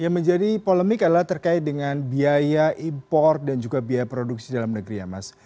yang menjadi polemik adalah terkait dengan biaya impor dan juga biaya produksi dalam negeri ya mas